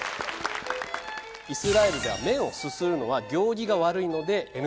イスラエルでは麺をすするのは行儀が悪いのでＮＧ。